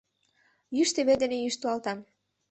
йӱштӧ вӱд дене йӱштылалтам